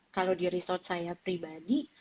kalau di resort saya pribadi